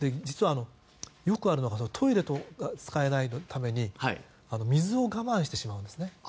実は、よくあるのがトイレが使えないために水を我慢してしまうんですね。